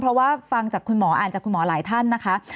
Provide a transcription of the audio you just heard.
เพราะว่าฟังจากคุณหมออ่านจากคุณหมอหลายท่านนะคะ